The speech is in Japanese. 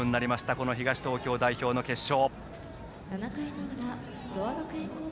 この東東京代表の決勝。